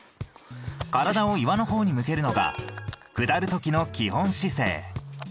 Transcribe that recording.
体を岩の方に向けるのが下る時の基本姿勢。